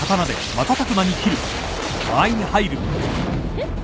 えっ？